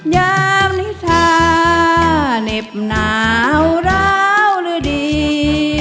ยามนิษฐาเหน็บหนาวราวรดี